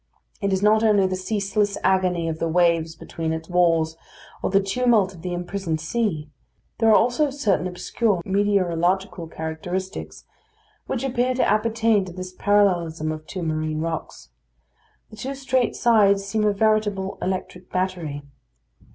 It is not only the ceaseless agony of the waves between its walls, or the tumult of the imprisoned sea; there are also certain obscure meteorological characteristics which appear to appertain to this parallelism of two marine rocks. The two straight sides seem a veritable electric battery.